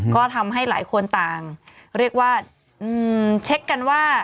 ก็ทำให้หลายคนต่างเรียกว่าเช็คกันว่า